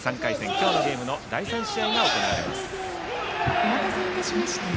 今日のゲームの第３試合が行われます。